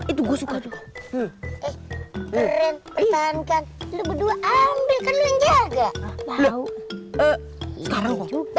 itu gue suka